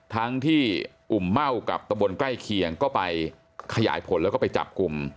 ทั้งที่อุ่มเม่ากับตะบนใกล้เคียงก็ไปขยายผลแล้วก็ไปจับกลุ่ม